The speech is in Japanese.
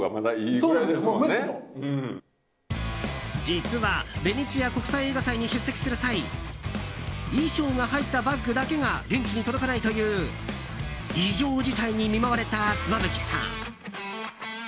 実はベネチア国際映画祭に出席する際衣装が入ったバッグだけが現地に届かないという異常事態に見舞われた妻夫木さん。